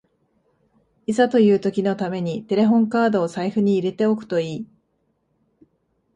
いざという時のためにテレホンカードを財布に入れておくといい